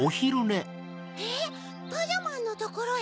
えっパジャマンのところへ？